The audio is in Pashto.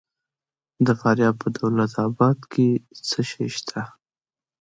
د فاریاب په دولت اباد کې څه شی شته؟